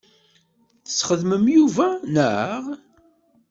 Tesxedmem Yuba, naɣ?